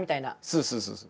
そうそうそうそう。